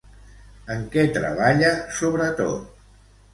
En què treballa sobretot?